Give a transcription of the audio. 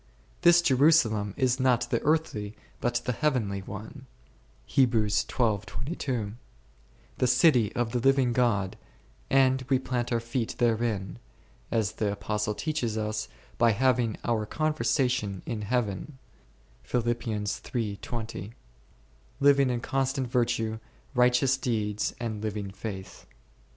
This Jerusalem is not the earthly but the heavenly one 1 , the city of the living God, and we plant our feet therein, as the Apostle teaches us, by having our conversation in Heaven*, living in constant virtue, righteous deeds and living faith.